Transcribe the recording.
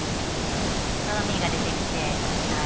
とろみが出てきてはい